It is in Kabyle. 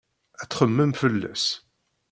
Ad txemmem fell-as.